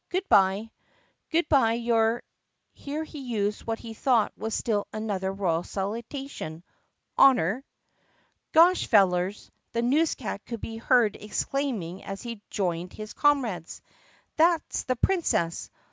Good by." "Good by, your" — here he used what he thought was still another royal salutation — "Honor." "Gosh, fellers!" the newscat could be heard exclaiming as he joined his comrades. "That 's the Princess.